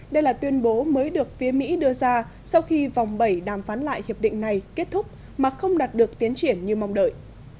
đây là tuyên bố mới được phía mỹ đưa ra sau khi vòng bảy đàm phán lại hiệp định này kết thúc mà không đạt được tiến triển như mong đợi